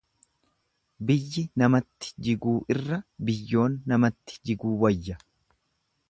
Biyyi namatti jiguu irra biyyoon namatti jiguu wayya.